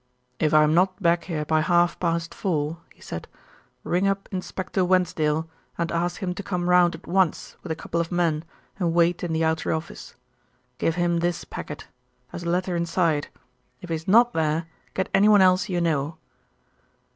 "If I'm not back here by half past four," he said, "ring up Inspector Wensdale, and ask him to come round at once with a couple of men and wait in the outer office. Give him this packet. There's a letter inside. If he's not there, get anyone else you know."